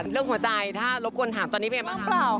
เรื่องหัวใจถ้ารบกวนถามตอนนี้เป็นยังไงบ้างคะ